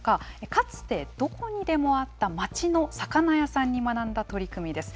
かつて、どこにでもあった町の魚屋さんに学んだ取り組みです。